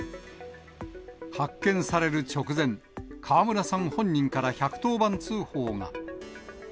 発見される直前、川村さん本人から１１０番通報が。